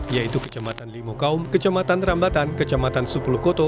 yaitu kecamatan lima kaum kecamatan rambatan kecamatan sepuluh koto